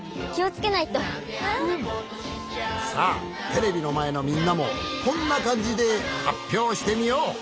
さあテレビのまえのみんなもこんなかんじではっぴょうしてみよう。